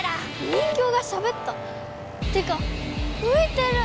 人形がしゃべった⁉てかういてる！